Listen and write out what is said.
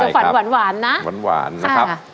ก่อนจะฝันหวานนะ